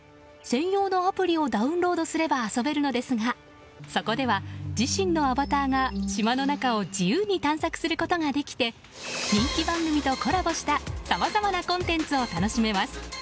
専用のアプリをダウンロードすれば遊べるのですがそこでは自身のアバターが島の中を自由に探索することができて人気番組とコラボしたさまざまなコンテンツを楽しめます。